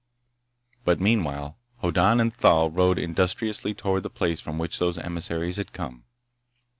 But meanwhile Hoddan and Thal rode industriously toward the place from which those emissaries had come.